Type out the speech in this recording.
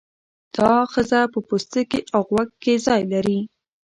دا آخذه په پوستکي او غوږ کې ځای لري.